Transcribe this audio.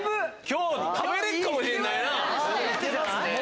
今日食べれるかもしれねえな。